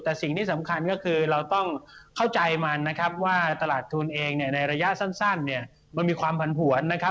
แต่สิ่งที่สำคัญก็คือเราต้องเข้าใจมันนะครับว่าตลาดทุนเองเนี่ยในระยะสั้นเนี่ยมันมีความผันผวนนะครับ